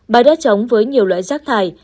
bãi đất rộng với nhiều loại rác thải